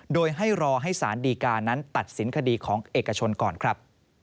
โดยให้รอให้สารดีการนั้นตัดสินคดีของเอกชนก่อนครับ